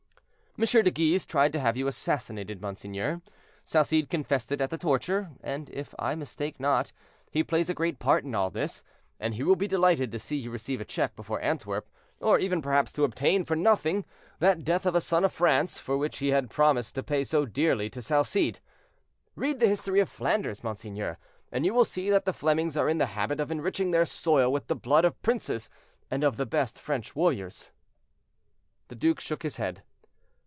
"M. de Guise tried to have you assassinated, monseigneur; Salcede confessed it at the torture, and, if I mistake not, he plays a great part in all this, and he will be delighted to see you receive a check before Antwerp, or even perhaps to obtain, for nothing, that death of a son of France, for which he had promised to pay so dearly to Salcede. Read the history of Flanders, monseigneur, and you will see that the Flemings are in the habit of enriching their soil with the blood of princes, and of the best French warriors." The duke shook his head.